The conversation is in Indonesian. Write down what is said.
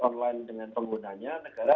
online dengan penggunanya negara